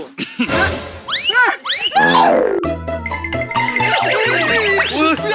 เสื้อตัวปลอดภูมิ